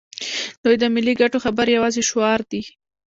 دوی د ملي ګټو خبرې یوازې شعار دي.